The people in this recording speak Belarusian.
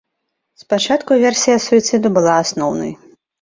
Спачатку версія суіцыду была асноўнай.